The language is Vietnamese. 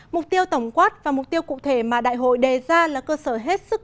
mục tiêu tổng quát và mục tiêu cụ thể mà đại hội đề ra là cơ sở hết sức